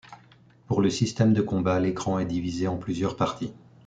Pour le système de combat, l'écran est divisé en plusieurs parties.